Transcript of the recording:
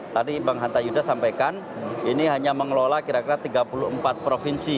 tadi bang hanta yuda sampaikan ini hanya mengelola kira kira tiga puluh empat provinsi